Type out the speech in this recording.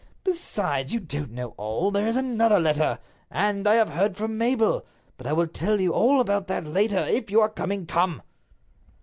Besides, you don't know all. There is another letter. And I have heard from Mabel. But I will tell you all about it later. If you are coming, come!"